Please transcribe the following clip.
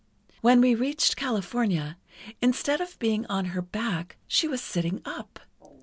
When we reached California, instead of being on her back, she was sitting up.